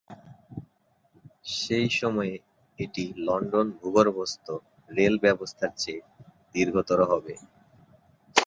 সেই সময়ে এটি লন্ডন ভূগর্ভস্থ রেল ব্যবস্থার চেয়ে দীর্ঘতর হবে।